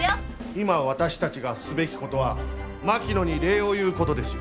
今私たちがすべきことは槙野に礼を言うことですよ。